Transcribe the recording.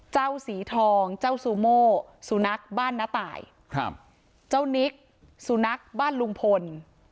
สีทองเจ้าซูโม่สุนัขบ้านน้าตายครับเจ้านิกสูนักบ้านลุงพล